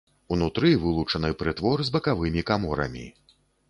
Унутры вылучаны прытвор з бакавымі каморамі.